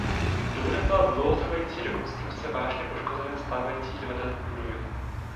Důvodem byla dlouhotrvající rekonstrukce vážně poškozené stávající divadelní budovy.